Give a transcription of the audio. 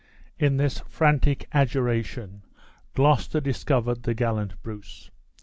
In this frantic adjuration, Gloucester discovered the gallant Bruce.